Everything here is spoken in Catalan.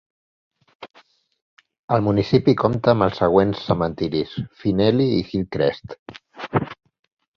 El municipi compta amb els següents cementiris: Finnelly i Hillcrest.